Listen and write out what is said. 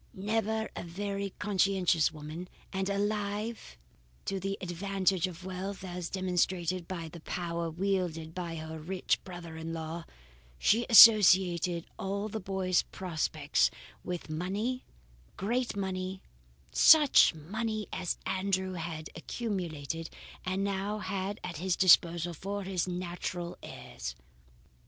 Never a very conscientious woman, and alive to the advantages of wealth as demonstrated by the power wielded by her rich brother in law, she associated all the boy's prospects with money, great money, such money as Andrew had accumulated, and now had at his disposal for his natural heirs.